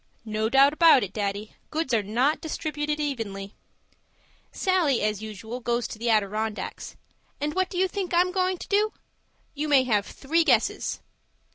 No doubt about it, Daddy, goods are not distributed evenly. Sallie, as usual, goes to the Adirondacks. And what do you think I am going to do? You may have three guesses.